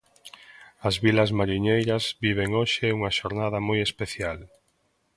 As vilas mariñeiras viven hoxe unha xornada moi especial.